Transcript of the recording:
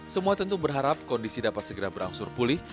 semua tentu berharap kondisi dapat segera berangsur pulih